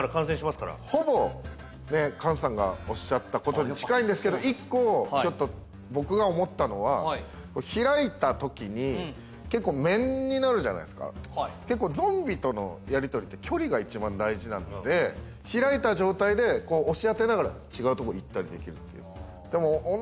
ほぼ菅さんがおっしゃったことに近いんですけど一個ちょっと僕が思ったのは結構ゾンビとのやり取りって距離が１番大事なので開いた状態でこう押し当てながら違うとこ行ったりできるっていう。